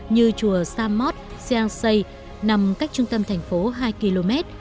như chùa samot siang say nằm cách trung tâm thành phố hai km